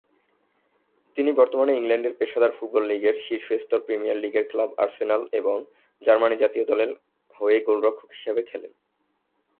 তিনি বর্তমানে ইংল্যান্ডের পেশাদার ফুটবল লীগের শীর্ষ স্তর প্রিমিয়ার লীগের ক্লাব আর্সেনাল এবং জার্মানি জাতীয় দলের হয়ে গোলরক্ষক হিসেবে খেলেন।